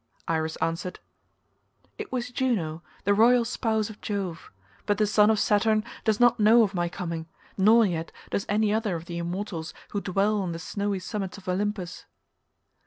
Iris answered, "It was Juno the royal spouse of Jove, but the son of Saturn does not know of my coming, nor yet does any other of the immortals who dwell on the snowy summits of Olympus."